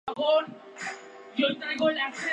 Manning es un modelo, su principal carrera.